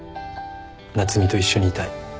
夏海と一緒にいたい。